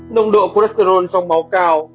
nồng độ cholesterol trong máu cao